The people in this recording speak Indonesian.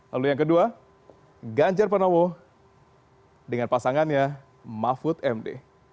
lalu yang kedua ganjar pranowo dengan pasangannya mahfud md